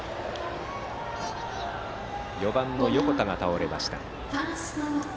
４番の横田が倒れました。